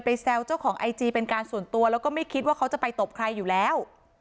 แซวเจ้าของไอจีเป็นการส่วนตัวแล้วก็ไม่คิดว่าเขาจะไปตบใครอยู่แล้ว